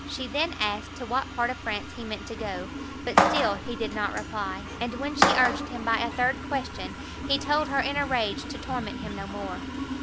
She then asked to what part of France he meant to go; but still he did not reply; and when she urged him by a third question, he told her in a rage to torment him no more.